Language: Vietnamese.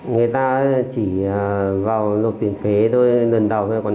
người ta chỉ vào lột tiền phế thôi lần đầu thôi còn đâu được